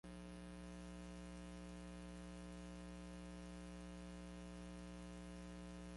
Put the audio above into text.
He was conceived by the power of the Holy Spirit